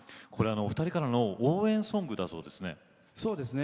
お二人からの応援ソングだそうですね。